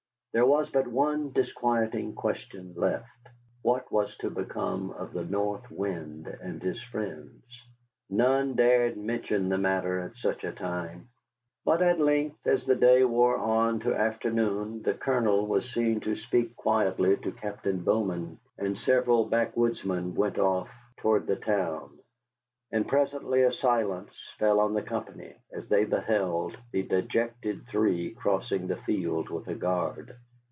There was but one disquieting question left: What was to become of the North Wind and his friends? None dared mention the matter at such a time. But at length, as the day wore on to afternoon, the Colonel was seen to speak quietly to Captain Bowman, and several backwoodsmen went off toward the town. And presently a silence fell on the company as they beheld the dejected three crossing the field with a guard.